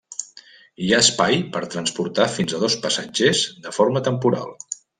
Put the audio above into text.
Hi ha espai per transportar fins a dos passatgers de forma temporal.